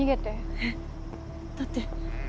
えっ？だって。